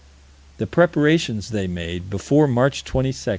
The preparations they made, before March 22, 1877.